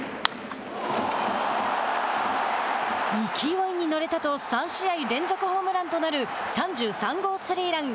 勢いに乗れたと３試合連続ホームランとなる３３号スリーラン。